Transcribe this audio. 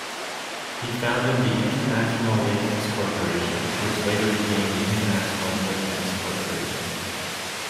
He founded the International Latex Corporation, which later became the International Playtex Corporation.